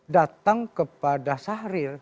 datang kepada syahrir